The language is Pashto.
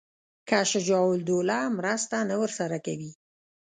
که شجاع الدوله مرسته نه ورسره کوي.